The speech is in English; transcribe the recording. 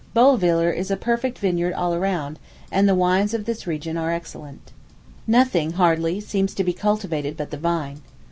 Bolwiller is a perfect vineyard all around, and the wines of this region are excellent. Nothing, hardly, seems to be cultivated but the vine.